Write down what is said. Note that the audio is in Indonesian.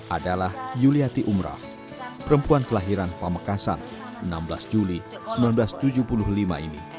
adalah yuliati umrah perempuan kelahiran pamekasan enam belas juli seribu sembilan ratus tujuh puluh lima ini